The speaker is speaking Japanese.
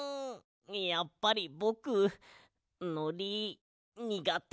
やっぱりぼくのりにがてかも。